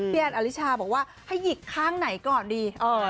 แอนอลิชาบอกว่าให้หยิกข้างไหนก่อนดี